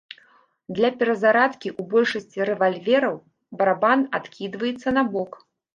Для перазарадкі ў большасці рэвальвераў барабан адкідваецца набок.